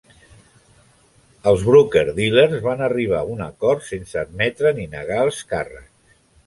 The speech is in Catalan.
Els broker dealers van arribar a un acord sense admetre ni negar els càrrecs.